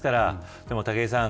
でも武井さん。